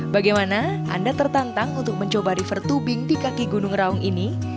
bagaimana anda tertantang untuk mencoba river tubing di kaki gunung raung ini